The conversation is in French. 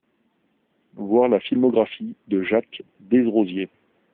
Voir la filmographie de Jacques Desrosiers.